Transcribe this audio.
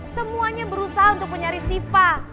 semuanya berusaha untuk penyari siva